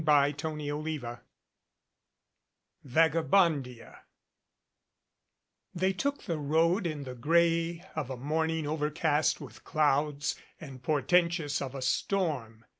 CHAPTER XIII VAGABONDIA THEY took the road in the gray of a morning over cast with clouds and portentous of a storm.